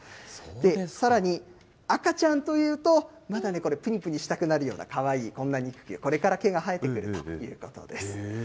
さらに、赤ちゃんというと、まだね、これ、ぷにぷにしたくなるようなかわいい、こんな肉球、これから毛が生えてくるということです。